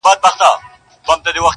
لکه باران را اورېدلې پاتېدلې به نه ,